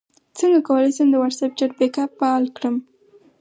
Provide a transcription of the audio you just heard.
څنګه کولی شم د واټساپ چټ بیک اپ بحال کړم